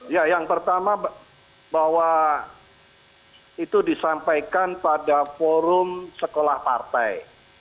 ya yang pertama bahwa itu disampaikan pada forum sekolah partai